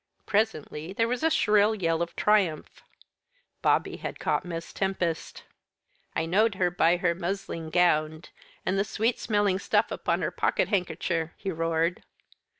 Presently there was a shrill yell of triumph. Bobby had caught Miss Tempest. "I know'd her by her musling gownd, and the sweet smelling stuff upon her pocket handkercher," he roared.